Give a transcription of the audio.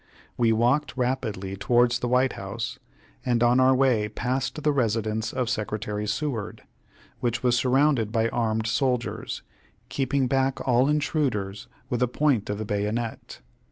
We walked rapidly towards the White House, and on our way passed the residence of Secretary Seward, which was surrounded by armed soldiers, keeping back all intruders with the point of the bayonet.